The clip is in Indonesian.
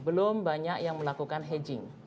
belum banyak yang melakukan hedging